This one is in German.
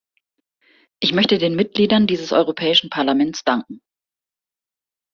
Ich möchte den Mitgliedern dieses Europäischen Parlaments danken.